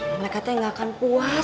mereka nih gak akan puas